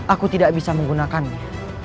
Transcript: aku tidak bisa menggunakannya